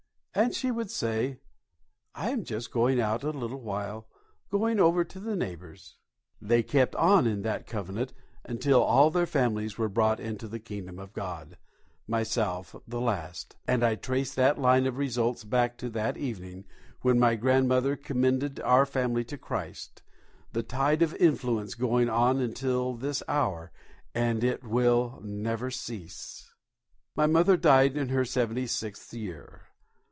and she would say, "I am just going out a little while; going over to the neighbours." They kept on in that covenant until all their families were brought into the kingdom of God, myself the last, and I trace that line of results back to that evening when my grandmother commended our family to Christ, the tide of influence going on until this hour, and it will never cease. My mother died in her seventy sixth year.